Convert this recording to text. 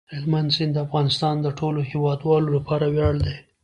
هلمند سیند د افغانستان د ټولو هیوادوالو لپاره ویاړ دی.